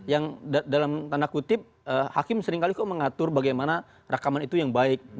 yang dalam tanda kutip hakim seringkali kok mengatur bagaimana rekaman itu yang baik